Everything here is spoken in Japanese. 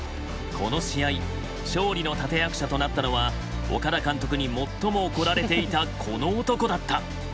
この試合勝利の立て役者となったのは岡田監督に最も怒られていたこの男だった。